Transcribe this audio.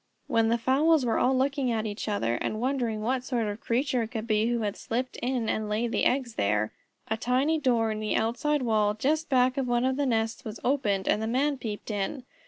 When the fowls were all looking at each other and wondering what sort of creature it could be who had slipped in and laid the eggs there, a tiny door in the outside wall, just back of one of the nests, was opened, and the Man peeped in.